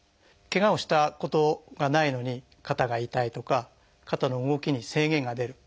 けがをしたことがないのに肩が痛いとか肩の動きに制限が出る。